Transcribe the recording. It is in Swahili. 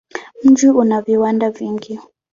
Mji una viwanda vingi.